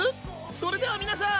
それでは皆さん。